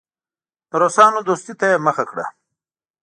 د روسانو دوستۍ ته یې مخه کړه.